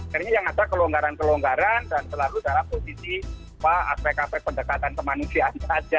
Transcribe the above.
karena yang ada kelonggaran kelonggaran dan selalu dalam posisi aspek aspek pendekatan kemanusiaan saja